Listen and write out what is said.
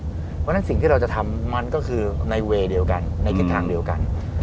เพราะฉะนั้นสิ่งที่เราจะทำมันก็คือในเวย์เดียวกันในทิศทางเดียวกัน